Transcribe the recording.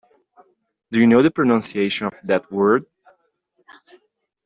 Do you know the pronunciation of that word?